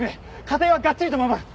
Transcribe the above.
家庭はがっちりと守る。